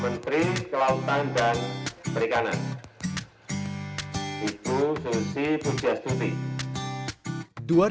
menteri kelautan dan perikanan